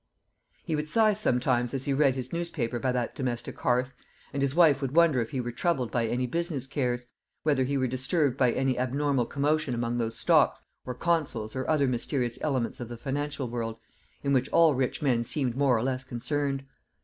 He would sigh sometimes as he read his newspaper by that domestic hearth, and his wife would wonder if he were troubled by any business cares whether he were disturbed by any abnormal commotion among those stocks or consols or other mysterious elements of the financial world in which all rich men seemed more or less concerned.